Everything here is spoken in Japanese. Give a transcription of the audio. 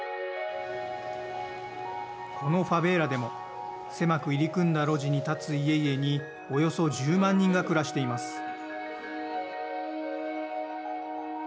このファベーラでも狭く入り組んだ路地に立つ家々におよそ１０万人が暮らしています。